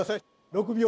６秒。